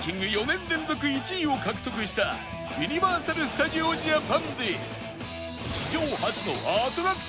４年連続１位を獲得したユニバーサル・スタジオ・ジャパンで